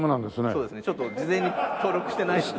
そうですねちょっと事前に登録してないので。